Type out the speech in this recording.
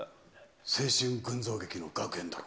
青春群像劇の学園ドラマ。